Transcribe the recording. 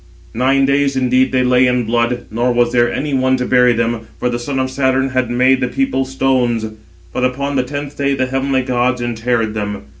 Nine days indeed they lay in blood, nor was there any one to bury them, for the son of Saturn had made the people stones; but upon the tenth day the heavenly gods interred them.